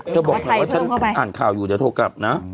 เธอบอกเธอว่าฉันอ่านข่าวอยู่เดี๋ยวโทรกลับนะ